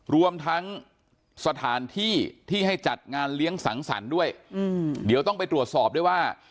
รวมทั้งสถานที่ที่ให้จัดงานเลี้ยงสังสรรค์ด้วยเดี๋ยวต้องไปตรวจสอบด้วยว่า